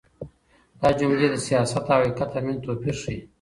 دا جملې د سياست او حقيقت تر منځ توپير ښيي.